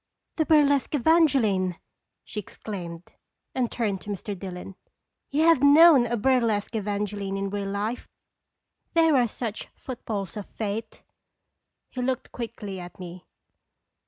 " The burlesque Evan geline!" she exclaimed, and turned to Mr. Dillon. " You have known a burlesque Evan geline in real life. There are such footballs of fate." He looked quickly at me.